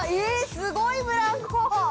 すごいブランコ！